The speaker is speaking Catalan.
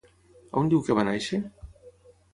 On diu que va néixer?